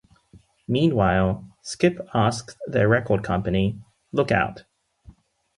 Meanwhile, Skip asked their record company, Lookout!